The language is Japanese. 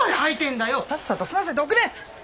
さっさと済ませておくれ！